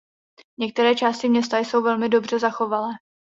Některé části města jsou velmi dobře zachovalé.